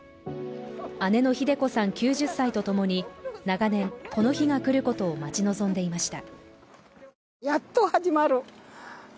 姉のひで子さん９０歳とともに、長年この日が来ることを待ち望んでいました。